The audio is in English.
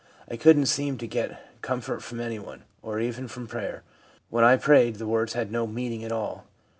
I couldn't seem to get comfort from anyone, or even from prayer. When I prayed, the words had no meaning at all.